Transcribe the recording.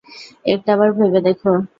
একটাবার ভেবে দেখ।